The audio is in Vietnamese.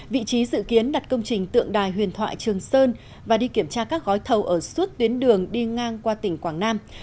vị trí dự kiến đặt công trình tượng đài huyền thoại trường sơn và đi kiểm tra các gói thầu ở suốt tuyến đường đi ngang qua tỉnh quảng nam